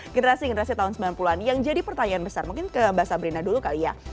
generasi generasi tahun sembilan puluh an yang jadi pertanyaan besar mungkin ke mbak sabrina dulu kali ya